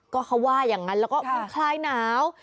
ก็เขาว่าอย่างนั้นแล้วก็มันคลายหนาว